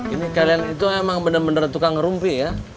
ini kalian itu emang bener bener tukang ngerumpi ya